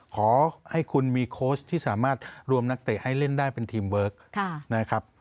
ขอให้คุณมีโค้ชที่สามารถรวมนักเตะให้เล่นได้เป็นทีมเวิร์คนะครับ